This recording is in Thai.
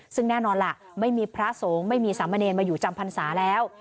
ซึ่งแน่นอนล่ะไม่มีพระสงฆ์ไม่มีสามเณรมาอยู่จำพรรษาแล้ว